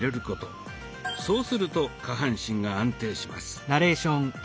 そうすると下半身が安定します。